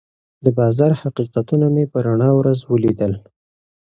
د بازار حقیقتونه مې په رڼا ورځ ولیدل.